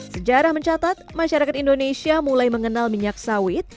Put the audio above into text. sejarah mencatat masyarakat indonesia mulai mengenal minyak sawit